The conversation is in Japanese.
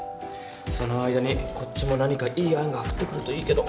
その間にこっちも何かいい案が降ってくるといいけど。